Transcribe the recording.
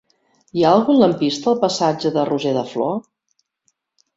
Hi ha algun lampista al passatge de Roger de Flor?